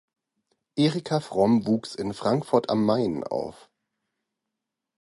Erika Fromm wuchs in Frankfurt am Main auf.